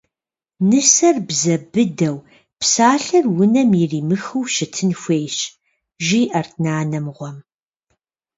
Нысэр бзэ быдэу, псалъэр унэм иримыхыу щытын хуейщ, – жиӀэрт нанэ мыгъуэм.